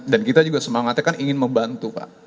dan kita juga semangatnya kan ingin membantu pak